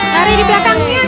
lari di belakangnya